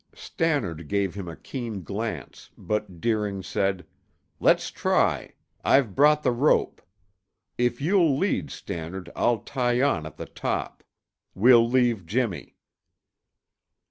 Stannard gave him a keen glance, but Deering said, "Let's try; I've brought the rope. If you'll lead, Stannard, I'll tie on at the top. We'll leave Jimmy."